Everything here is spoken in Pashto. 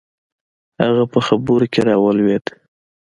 هغه په خبرو کښې راولويد.